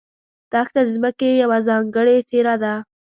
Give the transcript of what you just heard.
دښته د ځمکې یوه ځانګړې څېره ده.